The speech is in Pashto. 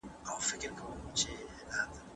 فلامینګو 🦩